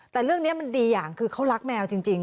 แต่เรื่องนี้มันดีอย่างคือเขารักแมวจริง